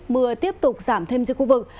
mưa tiếp tục giảm thêm trên khu vực